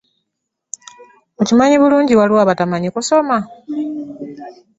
Okimanyi bulungi waliwo abatamanyi kusoma.